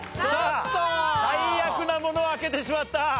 さあ最悪なものを開けてしまった！